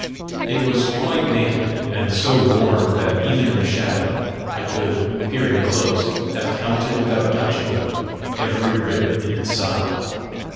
It was quite naked, and so worn that, even in the shadow, I could, peering close, have counted without touching them, every rib in its side.